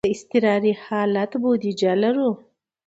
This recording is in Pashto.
د اضطراري حالت بودیجه لرو؟